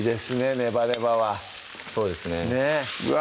ネバネバはそうですねうわ！